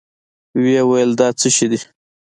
ويې ويل دا څه شې دي؟